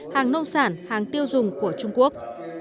hàng nông sản hàng tiêu dùng của trung quốc